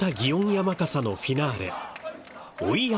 山笠のフィナーレ追い山